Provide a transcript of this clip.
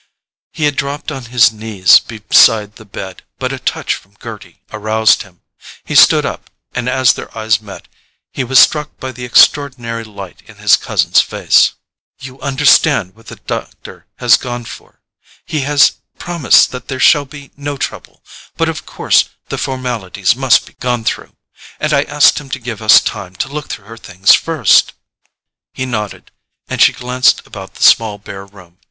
He had dropped on his knees beside the bed, but a touch from Gerty aroused him. He stood up, and as their eyes met he was struck by the extraordinary light in his cousin's face. "You understand what the doctor has gone for? He has promised that there shall be no trouble—but of course the formalities must be gone through. And I asked him to give us time to look through her things first——" He nodded, and she glanced about the small bare room.